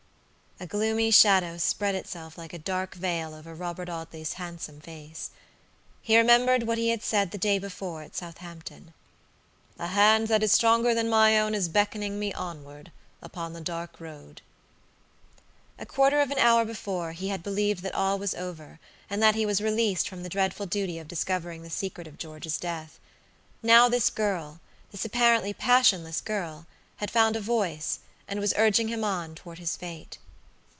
A gloomy shadow spread itself like a dark veil over Robert Audley's handsome face. He remembered what he had said the day before at Southampton: "A hand that is stronger than my own is beckoning me onward, upon the dark road." A quarter of an hour before, he had believed that all was over, and that he was released from the dreadful duty of discovering the secret of George's death. Now this girl, this apparently passionless girl, had found a voice, and was urging him on toward his fate.